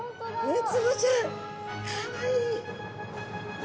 ウツボちゃんかわいい！